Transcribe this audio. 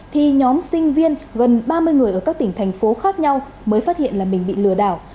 thì nhóm sinh viên gần ba mươi người ở các tỉnh thành phố khác nhau mới phát hiện là mình bị lừa đảo